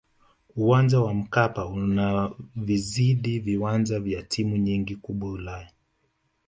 uwanja wa mkapa unavizidi viwanja vya timu nyingi kubwa ulaya